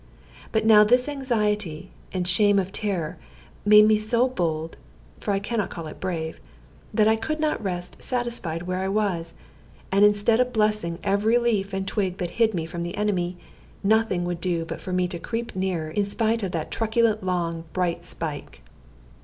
But now this anxiety, and shame of terror, made me so bold for I can not call it brave that I could not rest satisfied where I was, and instead of blessing every leaf and twig that hid me from the enemy, nothing would do for me but to creep nearer, in spite of that truculent long bright spike.